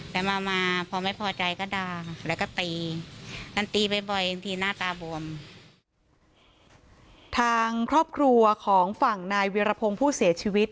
ทางครอบครัวของฝั่งนายวิรพงศ์ผู้เสตชีวิต